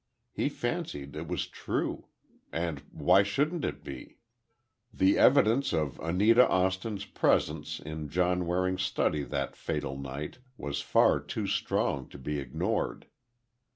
He fancied it was true. And why shouldn't it be? The evidence of Anita Austin's presence in John Waring's study that fatal night was far too strong to be ignored.